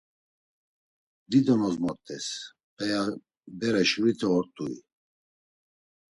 Dido nozmort̆es, p̌iya bere şurite ort̆ui?